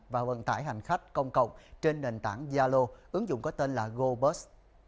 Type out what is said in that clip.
và vận tải hành khách công cộng trên nền tảng zalo ứng dụng có tên là gobus